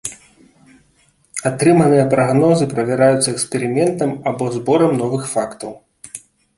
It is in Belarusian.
Атрыманыя прагнозы правяраюцца эксперыментам або зборам новых фактаў.